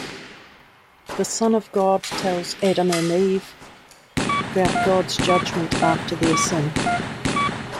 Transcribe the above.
The Son of God tells Adam and Eve about God's judgment after their sin.